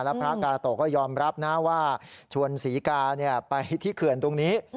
แล้วพระกาโตก็ยอมรับนะว่าชวนศรีกาไปที่เขื่อนตรงนี้